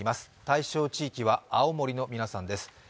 対象地域は青森の皆さんです。